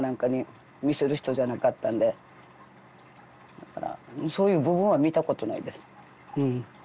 だからそういう部分は見たことないですうん。